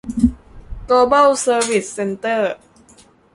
โกลบอล เซอร์วิส เซ็นเตอร์